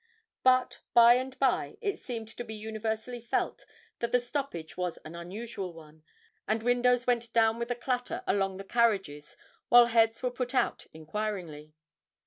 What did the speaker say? But by and by it seemed to be universally felt that the stoppage was an unusual one, and windows went down with a clatter along the carriages while heads were put out inquiringly.